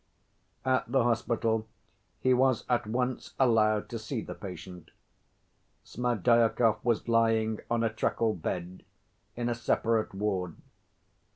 At the hospital he was at once allowed to see the patient. Smerdyakov was lying on a truckle‐bed in a separate ward.